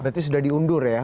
berarti sudah diundur ya